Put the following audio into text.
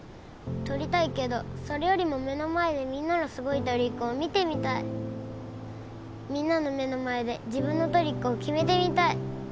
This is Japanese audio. とりたいけどそれよりも目の前でみんなのすごいトリックを見てみたいみんなの目の前で自分のトリックを決めてみたい